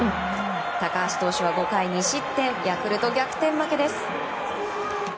高橋投手は５回２失点ヤクルト、逆転負けです。